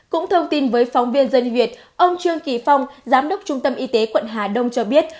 cũng thông tin với phóng viên dân việt ông trương kỳ phong giám đốc trung tâm y tế quận hà đông cho biết